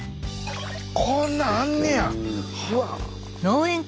こんなんあんねや。